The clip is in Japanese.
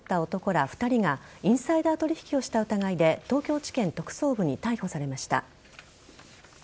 ら２人がインサイダー取引をした疑いで東京地検特捜部に逮捕されました。